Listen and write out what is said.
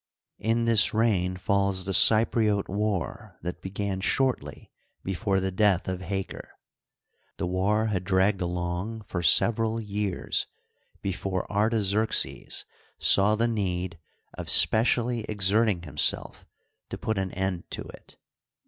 In this reign falls the Cypriote war that began shortly before the death of Haker. The war had dragged along for several years before Artaxerxes saw the need of speciallyexerting himself to put an end to it.